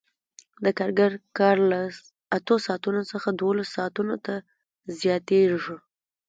د کارګر کار له اتو ساعتونو څخه دولسو ساعتونو ته زیاتېږي